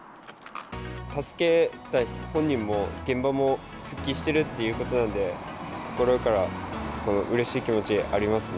助けた本人も、現場も復帰してるっていうことなんで、心からうれしい気持ちがありますね。